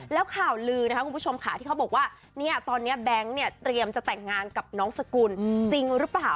แล้วข่าวลือนะคะคุณผู้ชมค่ะที่เขาบอกว่าเนี่ยตอนนี้แบงค์เนี่ยเตรียมจะแต่งงานกับน้องสกุลจริงหรือเปล่า